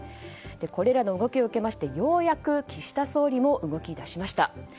これらの動きを受けてようやく岸田総理も動き出しました。